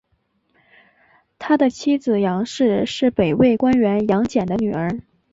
他的妻子杨氏是北魏官员杨俭的女儿。